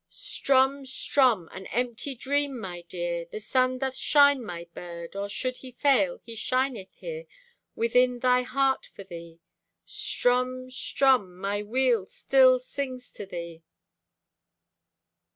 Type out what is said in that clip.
Strumm, strumm! An empty dream, my dear! The sun doth shine, my bird; Or should he fail, he shineth here Within my heart for thee! Strumm, strumm! My wheel still sings to thee.